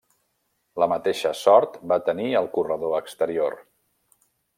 La mateixa sort va tenir el corredor exterior.